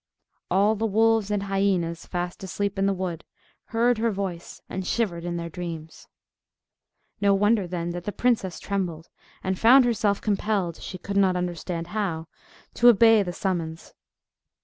All the wolves and hyenas, fast asleep in the wood, heard her voice, and shivered in their dreams. No wonder then that the princess trembled, and found herself compelled, she could not understand how, to obey the summons.